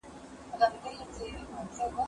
ما پرون د سبا لپاره د کتابونو مطالعه وکړ؟!